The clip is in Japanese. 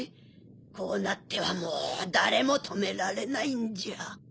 こうなってはもう誰も止められないんじゃ。